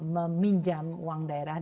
meminjam uang daerah